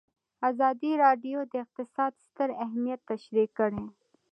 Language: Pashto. ازادي راډیو د اقتصاد ستر اهميت تشریح کړی.